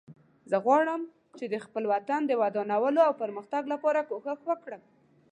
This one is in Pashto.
زه غواړم چې د خپل وطن د ودانولو او پرمختګ لپاره کوښښ وکړم